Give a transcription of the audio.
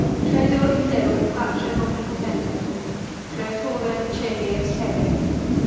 A.D. 700) Credo in Deum Patrem omnipotentem; Creatorem coeli et terrae.